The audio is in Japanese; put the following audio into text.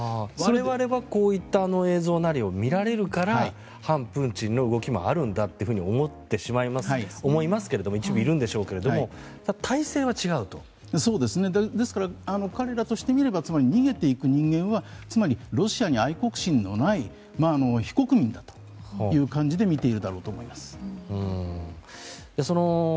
我々はこういった映像を見られるから反プーチンの動きもあるんだと思ってしまいますし一部いるんでしょうが彼らとしてみれば逃げていく人間はロシアに愛国心のない非国民だという感じで見ているだろうと思います。